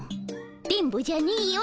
電ボじゃねえよ。